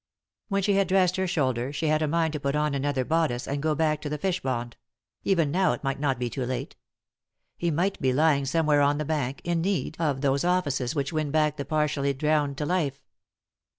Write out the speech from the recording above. When she had dressed her shoulder she had a mind to put on another bodice and go back to the fishpond — even now it might not be too late. He might be lying somewhere on the bank, in need, or those offices which win back the partially drowned to life.